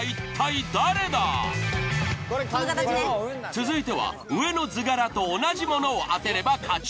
続いては上の図柄と同じものを当てれば勝ち。